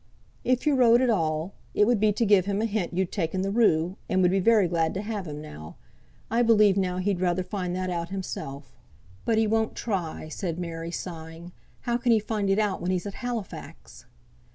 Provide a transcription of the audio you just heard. "If you wrote at all, it would be to give him a hint you'd taken the rue, and would be very glad to have him now. I believe now he'd rather find that out himself." "But he won't try," said Mary, sighing. "How can he find it out when he's at Halifax?"